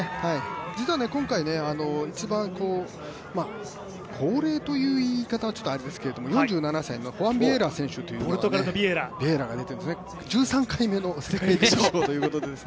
実は今回、一番高齢という言い方はちょっとあれですけど、４７歳のホアン・ビエラ選手という方が出ていて、１３回目の世界陸上ということなんです。